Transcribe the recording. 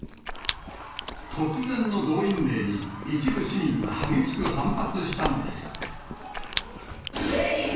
突然の動員令に、一部市民が激しく反発したのです。